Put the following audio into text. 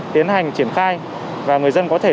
tiến hành triển khai và người dân có thể